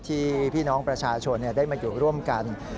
พี่น้องประชาชนได้มาอยู่ร่วมกัน